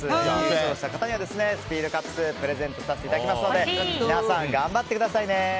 勝利した方にはスピードカップスをプレゼントさせていただきますので皆さん頑張ってくださいね。